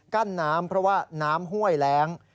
กั้นน้ำเพราะว่าน้ำห้วยแรง